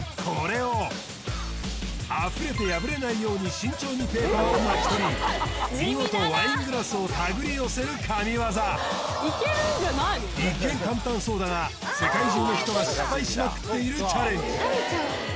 これをあふれて破れないように慎重にペーパーを巻き取り見事ワイングラスを手繰り寄せる神業一見簡単そうだが世界中の人が失敗しまくっているチャレンジ